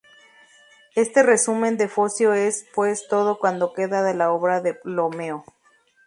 Este resumen de Focio es, pues, todo cuanto queda de la obra de Ptolomeo.